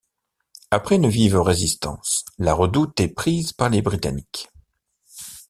Après une vive résistance, la redoute est prise par les Britanniques.